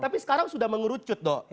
tapi sekarang sudah mengerucut dong